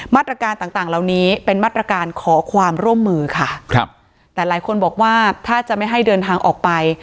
มาตรการต่างต่างเหล่านี้เป็นมาตรการขอความร่วมมือค่ะครับแต่หลายคนบอกว่าถ้าจะไม่ให้เดินทางออกไป